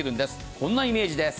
こんなイメージです。